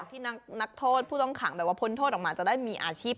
ที่นักโทษผู้ต้องขังแบบว่าพ้นโทษออกมาจะได้มีอาชีพ